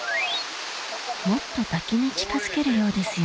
もっと滝に近づけるようですよ